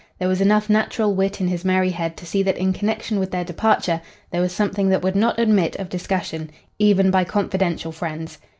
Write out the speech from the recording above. There was enough natural wit in his merry head to see that in connection with their departure there was something that would not admit of discussion, even by confidential friends.